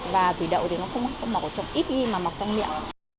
và thủy đậu thì nó không mọc ở trong ít ghi mà mọc trong miệng